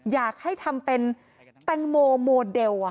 อยากให้ทำเป็นแตงโมโมเดล